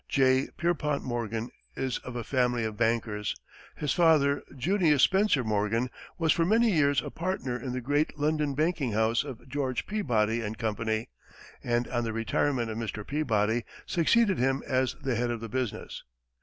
J. Pierpont Morgan is of a family of bankers. His father, Junius Spencer Morgan, was for many years a partner in the great London banking house of George Peabody & Co., and on the retirement of Mr. Peabody, succeeded him as the head of the business.